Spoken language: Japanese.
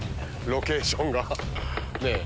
ロケーションがねぇ。